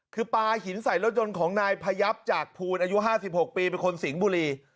คือปลาหินใส่รถยนต์ของนายพยับจากภูลอายุ๕๖ปีเป็นคนสิงห์บุรี